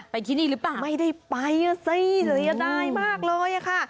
ไปที่นี่หรือเปล่าไม่ได้ไปสิจะได้มากเลยค่ะ